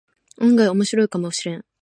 案外オモシロイかもしれん